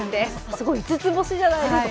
すごい、５つ星じゃないですか。